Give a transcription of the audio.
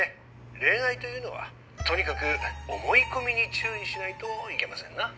恋愛というのはとにかく思い込みに注意しないといけませんな。